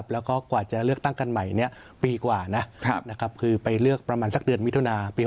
แล้วก็กว่าจะเลือกตั้งกันใหม่ปีกว่านะคือไปเลือกประมาณสักเดือนมิถุนาปี๒๕